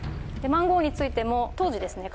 マンゴーについても当時ですね